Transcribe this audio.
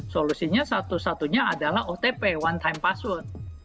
solusinya satu satunya adalah otp one time password